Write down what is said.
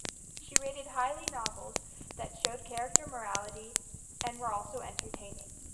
She rated highly novels that showed character morality and were also entertaining.